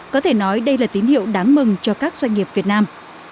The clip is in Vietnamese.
có thể nói đây là tín hiệu đáng mừng cho các doanh nghiệp việt nam